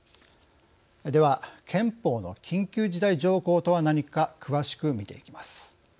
では、憲法の「緊急事態条項」とは何か詳しく見ていきます。